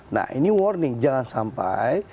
nah ini warning jangan sampai